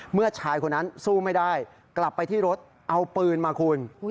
เมื่อชายคนนั้นสู้ไม่ได้กลับไปที่รถเอาปืนมาคุณ